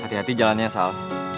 hati hati jalannya sal